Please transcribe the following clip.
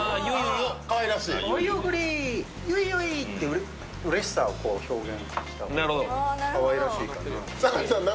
美味おぐり、ゆいゆいってうれしさを表現したが方がかわいらしいかな。